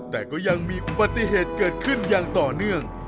แต่ก็ยังมีอุบัติเหตุเกิดขึ้นอย่างต่อเนื่อง